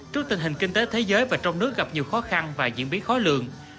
trước tình hình kinh tế thế giới và trong nước gặp nhiều khó khăn và diễn biến khó lường